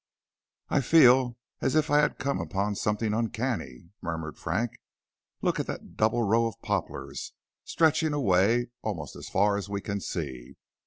"I feel as if I had come upon something uncanny," murmured Frank. "Look at that double row of poplars stretching away almost as far as we can see?